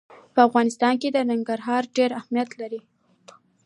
په افغانستان کې ننګرهار ډېر اهمیت لري.